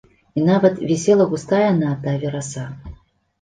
І нават вісела густая на атаве раса.